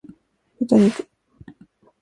豚肉